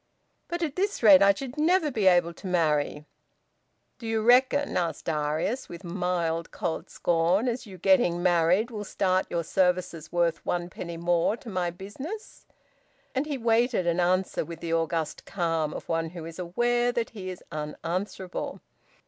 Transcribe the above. "But at this rate I should never be able to marry!" "Do you reckon," asked Darius, with mild cold scorn, "as you getting married will make your services worth one penny more to my business?" And he waited an answer with the august calm of one who is aware that he is unanswerable.